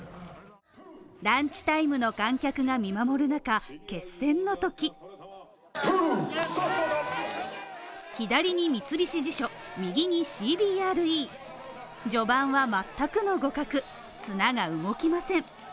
ランチタイムの観客が見守る中、決戦のとき左に三菱地所右にＣＢＲＥ、序盤は全くの互角綱が動きません。